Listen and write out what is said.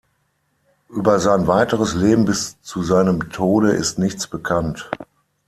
Über sein weiteres Leben bis zu seinem Tode ist nichts bekannt.